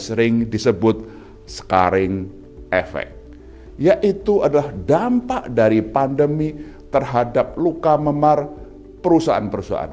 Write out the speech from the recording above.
sering disebut scaring effect yaitu adalah dampak dari pandemi terhadap luka memar perusahaan perusahaan